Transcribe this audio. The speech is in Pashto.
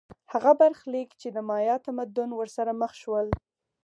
هغه برخلیک چې د مایا تمدن ورسره مخ شول